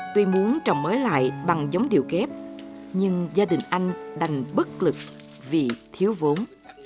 tuy muốn trồng mới lại bằng giống điều kép nhưng gia đình anh đành bất lực vì thiếu vốn